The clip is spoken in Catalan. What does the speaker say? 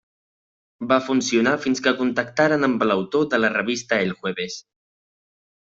Va funcionar fins que contactaren amb l'autor de la revista El Jueves.